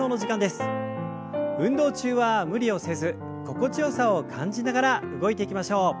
運動中は無理をせず心地よさを感じながら動いていきましょう。